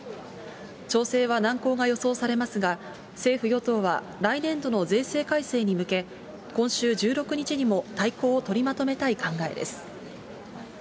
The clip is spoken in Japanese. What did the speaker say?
調整は難航が予想されますが、政府・与党は来年度の税制改正に向け、今週１６日にも大綱を取りまとめたい考えです。